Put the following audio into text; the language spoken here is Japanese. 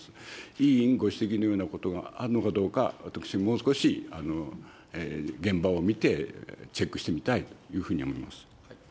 委員ご指摘のようなことがあるのかどうか、私、もう少し現場を見てチェックしてみたいというふうに思います。